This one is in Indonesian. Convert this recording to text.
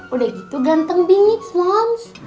udah gitu ganteng bingits mams